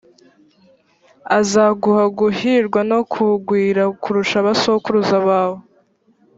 azaguha guhirwa no kugwira kurusha abasokuruza bawe.